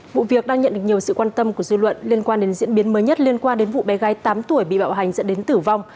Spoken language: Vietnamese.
vụ việc đang nhận được nhiều sự quan tâm của dư luận liên quan đến diễn biến mới nhất liên quan đến vụ bé gái tám tuổi bị bạo hành dẫn đến tử vong